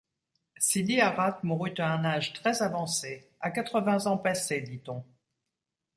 Sidi Harrat mourut à un âge très avancé, à quatre-vingts ans passés, dit-on.